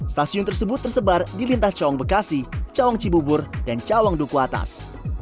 stasiun tersebut tersebar di lintas cawong bekasi cawong cibubur dan cawong duku atas